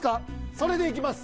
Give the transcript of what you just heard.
それでいきます！